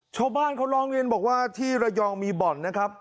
ชาวบ้านเขาร้องเรียนบอกว่าที่ระยองมีบ่อนนะครับ